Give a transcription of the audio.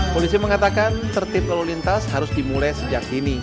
polisi mengatakan tertib lalu lintas harus dimulai sejak dini